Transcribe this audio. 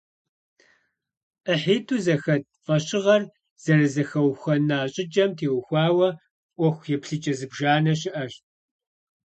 ӀыхьитӀу зэхэт фӀэщыгъэр зэрызэхэухуэна щӀыкӀэм теухуауэ Ӏуэху еплъыкӀэ зыбжанэ щыӀэщ.